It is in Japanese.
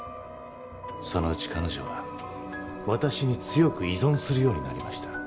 そのうち彼女は私に強く依存するようになりました。